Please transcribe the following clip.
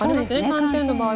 寒天の場合はね。